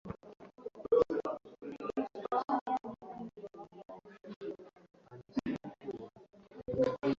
chini ya kiongozi wao Vladimir Ilyich Lenin Huo ulikuwa mwanzo wa vita ya